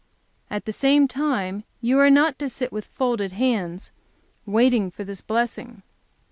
At the same time you are not to sit with folded hands, waiting for this blessing.